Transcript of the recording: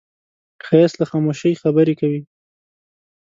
ښایست له خاموشۍ خبرې کوي